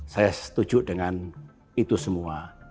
saya setuju dengan itu semua